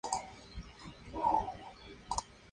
La banda grabó el vídeo en Lancaster y Zuma Beach, California.